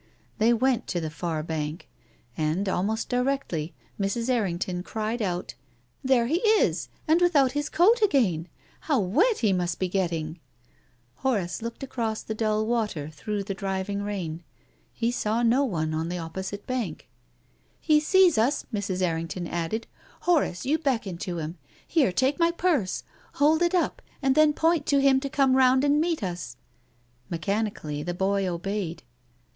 They went to the far bank, and almost directly Mrs. Errington cried out " There he is, and without his coat again ! How wet he must be getting !" Horace looked across the dull water, through the driving rain. He saw no one on the opposite bank. " He sees us," Mrs. Errington added. " Horace, you beckon to him. Here, take my purse. Hold it up, and then point to him to come round and meet us." Mechanically the boy obeyed.